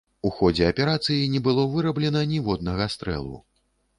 У ходзе аперацыі не было выраблена ніводнага стрэлу.